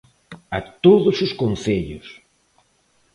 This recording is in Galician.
¡A todos os concellos!